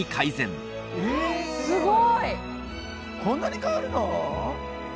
こんなに変わるの！？